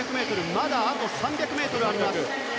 まだあと３００ｍあります。